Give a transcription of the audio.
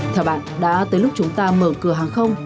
theo bạn đã tới lúc chúng ta mở cửa hàng không